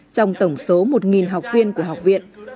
trong tổng số một học viên của học viện